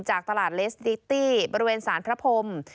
จากตลาดเลสดิตี้บริเวณสารพระพรม